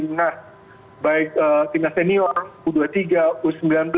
timnas baik timnas senior u dua puluh tiga u sembilan belas